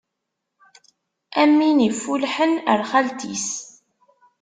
Am win iffullḥen ar xalt-is.